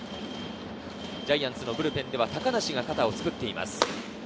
ジャイアンツのブルペンでは高梨が肩をつくっています。